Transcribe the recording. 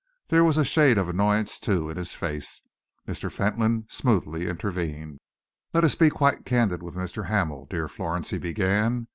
There was a shade of annoyance, too, in his face. Mr. Fentolin smoothly intervened. "Let us be quite candid with Mr. Hamel, dear Florence," he begged.